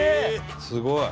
「すごい！」